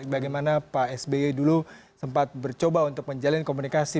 bagaimana pak sby dulu sempat mencoba untuk menjalin komunikasi